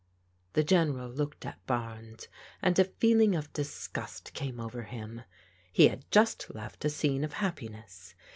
The General looked at Barnes, and a feeling of disgust came over him. He had jost left a scene of happiness.